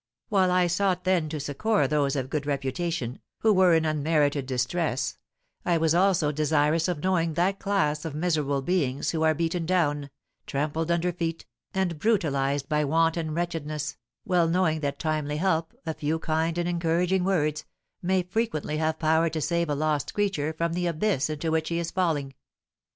While I sought then to succour those of good reputation, who were in unmerited distress, I was also desirous of knowing that class of miserable beings who are beaten down, trampled under feet, and brutalised by want and wretchedness, well knowing that timely help, a few kind and encouraging words, may frequently have power to save a lost creature from the abyss into which he is falling.